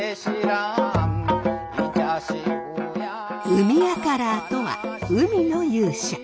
海ヤカラーとは海の勇者。